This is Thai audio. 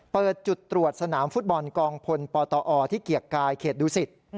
เปิดจุดตรวจสนามฟุตบอลกองพลปตอที่เกียรติกายเขตดุสิต